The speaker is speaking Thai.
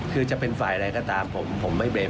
คือจะเป็นฝ่ายอะไรก็ตามผมผมไม่เบรก